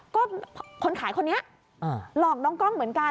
ก็คนขายคนนี้หลอกน้องกล้องเหมือนกัน